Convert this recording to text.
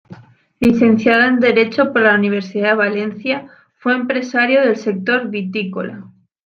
Licenciado en Derecho por la Universidad de Valencia, fue empresario del sector vitícola.